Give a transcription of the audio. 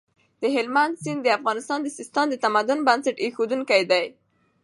د هلمند سیند د افغانستان د سیستان د تمدن بنسټ اېښودونکی دی.